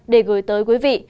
để gửi tới quý vị